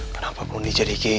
kenapa pun ini jadi kegi